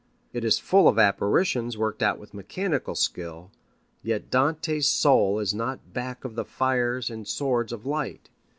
It is full of apparitions worked out with mechanical skill, yet Dante's soul is not back of the fires and swords of light.